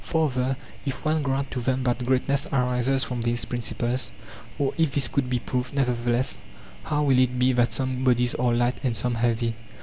Farther, if one grant to them that greatness arises from these principles, or if this could be proved, nevertheless, how will it be that some bodies are light and some heavy